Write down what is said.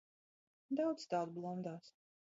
Daudz tādu blandās.